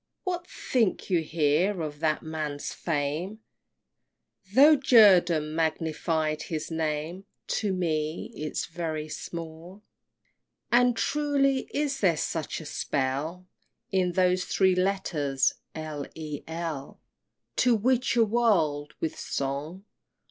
What think you here of that man's fame? Tho' Jerdan magnified his name, To me 'tis very small! XXII. And, truly, is there such a spell In those three letters, L. E. L., To witch a world with song?